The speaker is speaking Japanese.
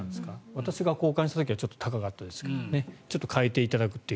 私が交換した時はちょっと高かったですがちょっと変えていただくと。